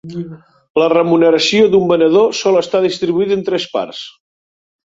La remuneració d'un venedor sol estar distribuïda en tres parts.